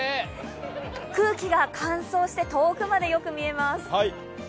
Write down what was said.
空気が乾燥して遠くまでよく見えます。